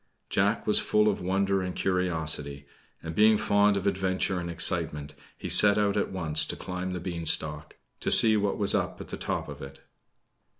Jack was full of wonder and curiosity; and, being fond of adventure and excitement, he set out at once to climb the beanstalk, to see what was up at the top of it.